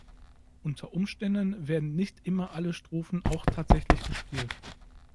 Unter Umständen werden nicht immer alle Strophen auch tatsächlich gespielt.